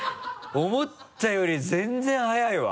思ったより全然早いわ。